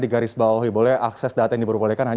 di garis bawah boleh akses data yang diperbolehkan